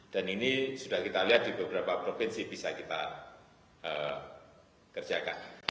dan ini sudah kita lihat di beberapa provinsi bisa kita kerjakan